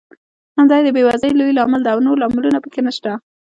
همدا یې د بېوزلۍ لوی لامل دی او نور لاملونه پکې نشته.